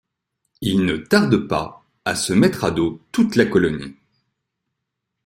Il ne tarde pas à se mettre à dos toute la colonie.